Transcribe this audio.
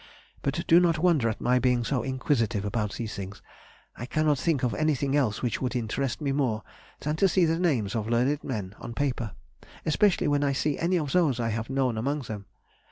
But do not wonder at my being so inquisitive about these things. I cannot think of anything else which could interest me more than to see the names of learned men on paper, especially when I see any of those I have known among them.